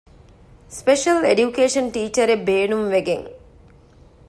ސްޕެޝަލް އެޑިޔުކޭޝަން ޓީޗަރެއް ބޭނުންވެގެން